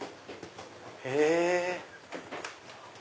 へぇ。